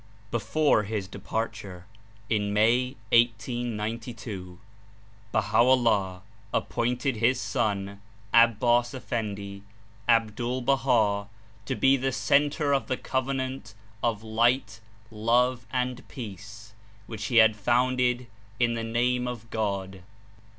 Before his departure in May 1892, Baha'o'llah appointed his son Abbas Effendl, Abdul Baha, to be the "Center of the Covenant" of Light, Love and Peace which he had founded in the Name of God.